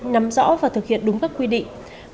nắm rõ và thực hiện đúng các quy định